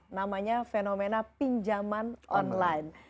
namanya fenomena pinjaman online